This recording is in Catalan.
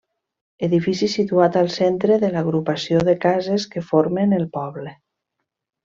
Edifici situat al centre de l'agrupació de cases que formen el poble.